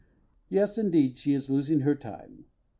Yes, indeed, she is losing her time.